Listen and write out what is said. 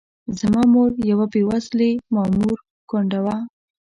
زما مور د یوه بې وزلي مامور کونډه وه.